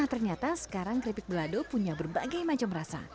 nah ternyata sekarang kripik belado punya berbagai macam rasa